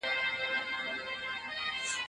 چارواکي به د بې عدالتۍ مخنیوی کوي.